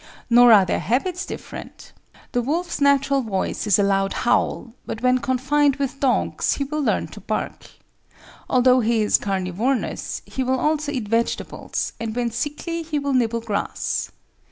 Nor are their habits different. The wolf's natural voice is a loud howl, but when confined with dogs he will learn to bark. Although he is carnivorous, he will also eat vegetables, and when sickly he will nibble grass.